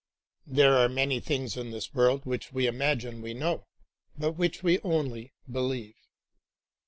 There are many things in this world which we imagine we know but which we only believe.